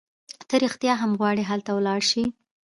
ته رېښتیا هم غواړي هلته ولاړه شې؟